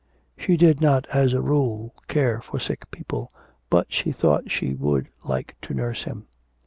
She did not as a rule care for sick people, but she thought she would like to nurse him.